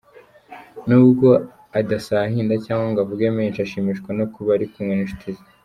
Nubwo adasahinda cyangwa ngo avuge menshi, ashimishwa no kuba ari kumwe n’inshuti ze.